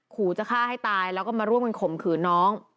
ขู่จะฆ่าให้ตายแล้วก็มาร่วมกันข่มขืนน้อง